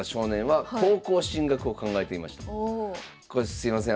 すいません